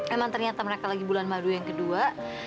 emang ternyata mereka lagi bulan madu yang kedua